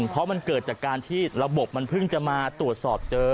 เพราะมันเกิดจากการที่ระบบมันเพิ่งจะมาตรวจสอบเจอ